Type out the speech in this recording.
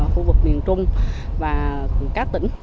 khu vực miền trung và các tỉnh